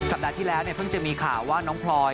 ปัดที่แล้วเนี่ยเพิ่งจะมีข่าวว่าน้องพลอย